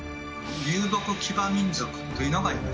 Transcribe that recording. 遊牧騎馬民族というのがいましたね。